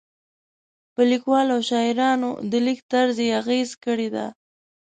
په لیکوالو او شاعرانو د لیک طرز یې اغېز کړی دی.